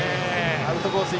アウトコース